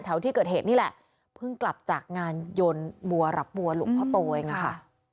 ที่เกิดเหตุนี่แหละเพิ่งกลับจากงานโยนบัวรับบัวหลวงพ่อโตเองอะค่ะ